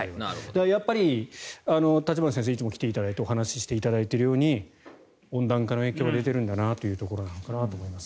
やっぱり立花先生にいつも来ていただいてお話していただいているように温暖化の影響で出るのかなというところだと思います。